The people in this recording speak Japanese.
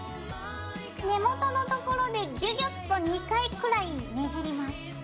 根元のところでギュギュッと２回くらいねじります。